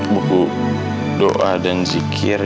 buku doa dan zikir